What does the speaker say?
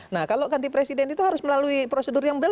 nah kalau ganti presiden itu harus melalui prosedur yang benar